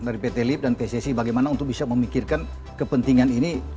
dari pt lib dan pssi bagaimana untuk bisa memikirkan kepentingan ini